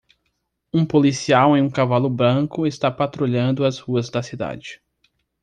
Um policial em um cavalo branco está patrulhando as ruas da cidade.